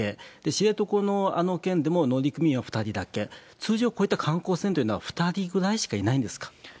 知床のあの件でも乗組員は２人だけ、通常、こういった観光船っていうのは、２人ぐらいしかいないんですか？